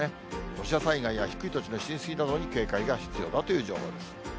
土砂災害や低い土地の浸水などに警戒が必要だという情報です。